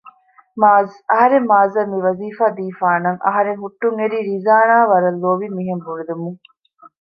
މާޒް! އަހަރެން މާޒްއަށް މިވަޒީފާ ދީފާނަށް އަހަރެން ހުއްޓުންއެރީ ރިޒާނާ ވަރަށް ލޯބިން މިހެން ބުނެލުމުން